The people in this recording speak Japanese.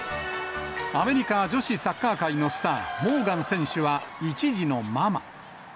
アメリカ女子サッカー界のスター、モーガン選手は１児のママ。